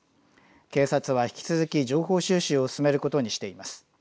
警察は引き続き、情報収集を進めることにしています。